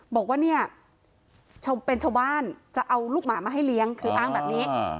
บอกว่าเนี่ยเป็นชาวบ้านจะเอาลูกหมามาให้เลี้ยงคืออ้างแบบนี้